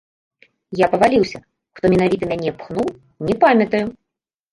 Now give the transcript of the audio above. Я паваліўся, хто менавіта мяне пхнуў, не памятаю.